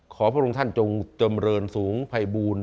พระองค์ท่านจงจำเรินสูงภัยบูรณ์